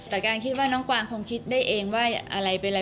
แต่การคิดว่าน้องกวางคงคิดได้เองว่าอะไรเป็นอะไร